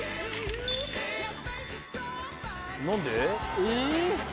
何で？